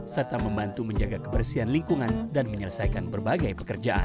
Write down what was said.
serta membantu menjaga kebersihan lingkungan dan menyelesaikan berbagai pekerjaan